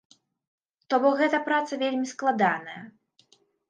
То бок гэта праца вельмі складаная.